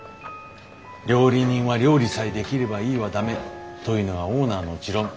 「料理人は料理さえできればいいは駄目」というのがオーナーの持論。